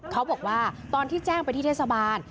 เขาบอกว่าตอนที่แจ้งไปที่เทศบาล